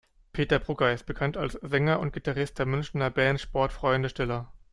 Peter Brugger ist bekannt als Sänger und Gitarrist der Münchener Band Sportfreunde Stiller.